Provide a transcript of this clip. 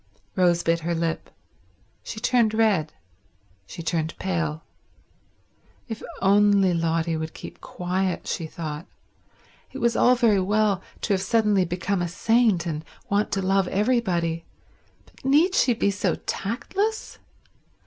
Rose bit her lip. She turned red, she turned pale. If only Lotty would keep quiet, she thought. It was all very well to have suddenly become a saint and want to love everybody, but need she be so tactless?